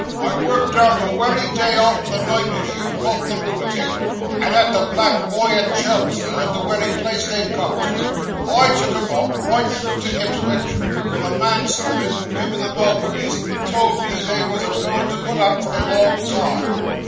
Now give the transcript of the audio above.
I worked down the wery day arter the night as you caught the rheumatic, and at the Black Boy at Chelmsford the wery place they'd come to I took 'em up, right through to Ipswich, where the man servant him in the mulberries told me they was a goin' to put up for a long time.